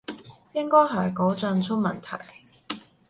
應該係嗰陣出問題